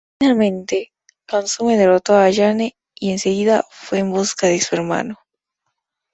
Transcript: Finalmente, Kasumi derrotó a Ayane y enseguida fue en busca de su hermano.